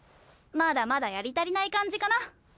まだまだやり足りない感じかな。